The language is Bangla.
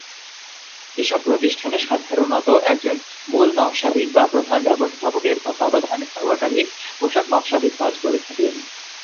এসব প্রতিষ্ঠানে সাধারণত একজন মূল নকশাবিদ বা প্রধান ব্যবস্থাপকের তত্ত্বাবধানে একাধিক পোশাক নকশাবিদ কাজ করে থাকেন।